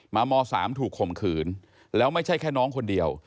ม๓ถูกข่มขืนแล้วไม่ใช่แค่น้องคนเดียว